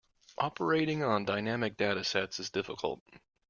Operating on dynamic data sets is difficult.